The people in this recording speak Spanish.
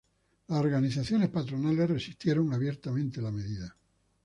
Las organizaciones patronales resistieron abiertamente la medida.